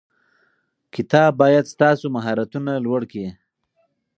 کتاب باید ستاسو مهارتونه لوړ کړي.